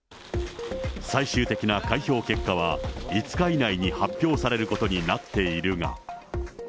最終的な開票結果は、５日以内に発表されることになっているが。